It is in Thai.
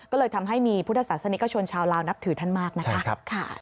ก็เลยทำให้มีพุทธศาสนิกชนชาวลาวนับถือท่านมากนะคะ